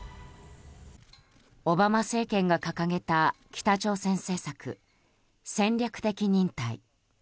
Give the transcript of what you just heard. オバマ政権が掲げた北朝鮮政策、戦略的忍耐。